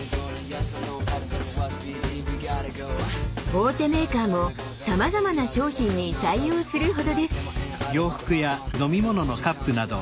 大手メーカーもさまざまな商品に採用するほどです。